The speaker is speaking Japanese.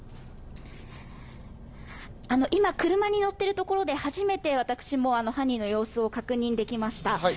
今、車に乗っているところで初めて私も犯人の様子を確認できました。